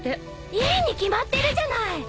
いいに決まってるじゃない！